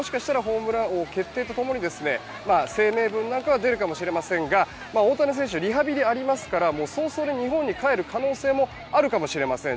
もしかしたらホームラン王決定ともに声明文なんか出るかもしれませんが大谷選手リハビリありますからもうそれ日本に帰る可能性もあるかもしれません。